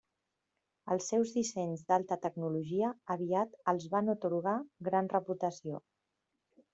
Els seus dissenys d'alta tecnologia aviat els van atorgar gran reputació.